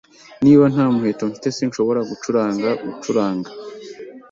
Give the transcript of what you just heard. Niba nta muheto mfite, sinshobora gucuranga gucuranga.